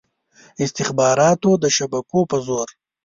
استخباراتو د شبکو په زور.